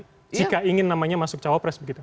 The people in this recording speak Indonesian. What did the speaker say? jika ingin namanya masuk cawapres begitu